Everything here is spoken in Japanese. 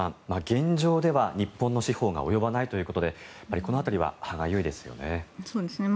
現状では日本の司法が及ばないということでこの辺りは歯がゆいですよね。